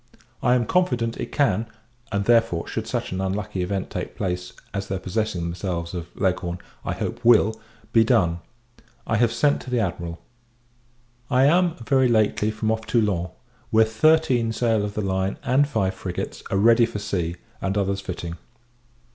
I am confident, it can and, therefore, should such an unlucky event take place, as their possessing themselves of Leghorn, I hope, will be done. I have sent to the Admiral. I am, very lately, from off Toulon; where thirteen sail of the line, and five frigates, are ready for sea, and others fitting.